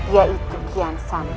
yaitu kian santang